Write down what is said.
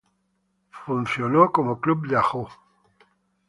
Funcionó como Club de Ajó.